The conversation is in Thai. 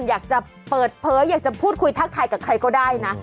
อยากจะเปิดเผยอยากจะพูดคุยทักทายกับใครก็ได้นะ